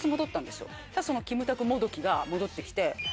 そのキムタクもどきが戻って来て。